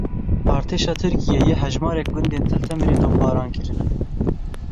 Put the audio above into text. Artêşa Tirkiyeyê hejmarek gundên Til Temirê topbaran kirin.